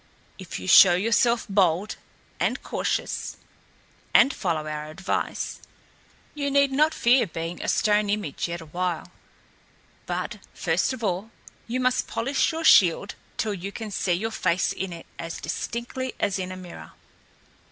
If you show yourself bold and cautious, and follow our advice, you need not fear being a stone image yet awhile. But, first of all, you must polish your shield till you can see your face in it as distinctly as in a mirror."